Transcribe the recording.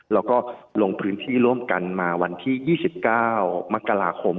แล้วก็ลงพื้นที่ร่วมกันมาวันที่๒๙มกราคม